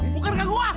bukan ke gua